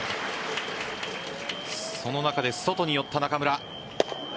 その中で外に寄った中村。